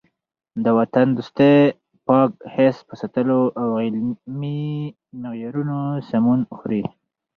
د وطن دوستۍ پاک حس په ساتلو او علمي معیارونو سمون خوري.